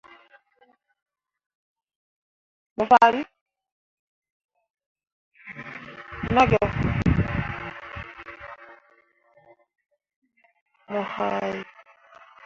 Mo haa yee fĩĩ joŋ mo ne ?